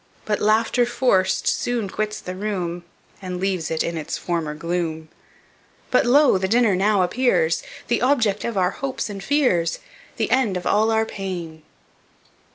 But laughter forced soon quits the room, And leaves it in its former gloom. But lo! the dinner now appears, The object of our hopes and fears, The end of all our pain!"